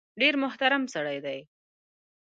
ډېر محترم سړی دی .